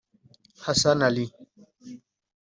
Hasan Ali